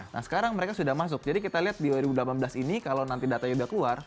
nah sekarang mereka sudah masuk jadi kita lihat di dua ribu delapan belas ini kalau nanti datanya sudah keluar